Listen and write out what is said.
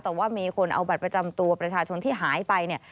แต่ว่ามีคนเอาบัตรประจำตัวประชาชนที่หายไปเนี่ย